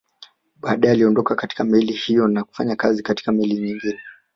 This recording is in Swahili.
Baadae aliondoka katika meli hiyo na kufanya kazi katika meli nyingine